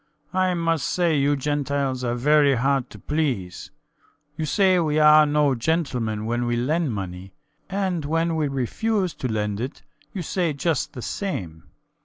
I must say you Gentiles are very hard to please. You say we are no gentlemen when we lend money; and when we refuse to lend it you say just the same.